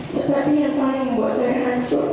tetapi yang paling membuat saya hancur